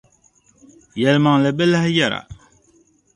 Yɛlimaŋli bi lahi yɛra.